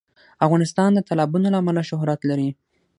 افغانستان د تالابونه له امله شهرت لري.